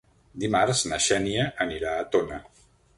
Dimarts na Xènia anirà a Tona.